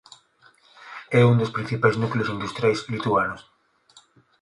É un dos principais núcleos industriais lituanos.